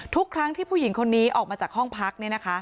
ทุกครั้งที่ผู้หญิงคนนี้ออกมาจากห้องพัก